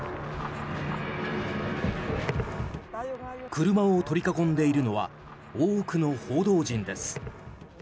車を取り囲んでいるのは多くの報道陣です。